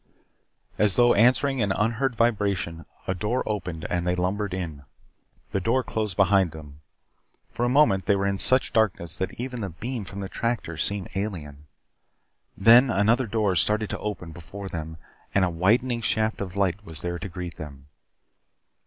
As though answering an unheard vibration, a door opened and they lumbered in. The door closed behind them. For a moment they were in such darkness that even the beam from the tractor seemed alien. Then another door started to open before them and a widening shaft of light was there to greet them.